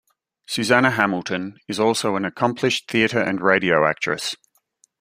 Suzanna Hamilton is also an accomplished theatre and radio actress.